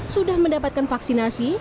sudah mendapatkan vaksinasi